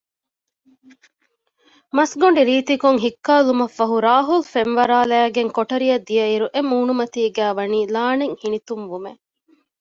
މަސްގޮނޑި ރީތިކޮށް ހިއްކާލުމަށްފަހު ރާހުލް ފެންވަރާލައިގެން ކޮޓަރިއަށް ދިޔައިރު އެ މޫނުމަތީގައި ވަނީ ލާނެތް ހިނިތުންވުމެއް